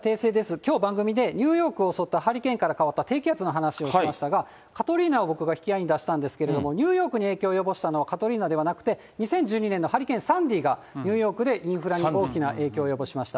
きょう番組で、ニューヨークを襲ったハリケーンから変わった低気圧の話をしましたが、カトリーナを僕が引き合いに出したんですけど、ニューヨークに影響を及ぼしたのは、カトリーナではなくて、２０１２年のハリケーン・サンディがニューヨークでインフラに大きな影響を及ぼしました。